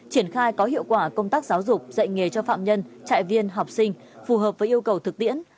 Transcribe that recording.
triển khai có hiệu quả công tác giáo dục dạy nghề cho phạm nhân trại viên học sinh phù hợp với yêu cầu thực tiễn